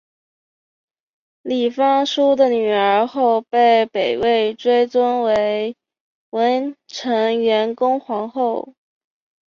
李方叔的女儿后被北魏追尊为文成元恭皇后。